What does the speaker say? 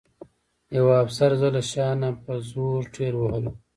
یوه افسر زه له شا نه په زور ټېل وهلم